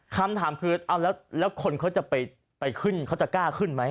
คำถามคือเอาแล้วคนเขาจะไปขึ้นเขาจะกล้าขึ้นไหม